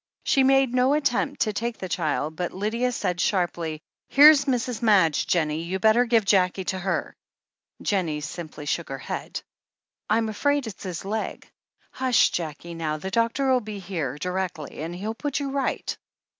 She made no attempt to take the child, but Lydia said sharply: "Here's Mrs. Madge, Jennie. You'd better give Jackie to her." Jennie simply shook her head. "I'm afraid it's his leg. Hush, Jackie, now — ^the doctor'U be here directly and he'll put you right."